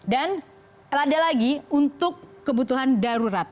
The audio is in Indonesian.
dan ada lagi untuk kebutuhan darurat